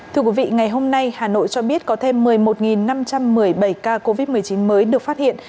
thưa quý vị ngày hôm nay hà nội cho biết có thêm một mươi một năm trăm một mươi bảy ca covid một mươi chín mới được phát hiện